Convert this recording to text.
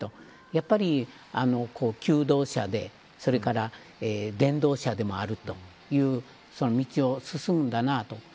やっぱり求道者で、それから伝導者でもあるという道を進んだなという。